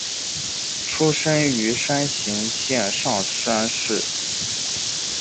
出身于山形县上山市。